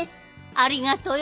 ありがとよ。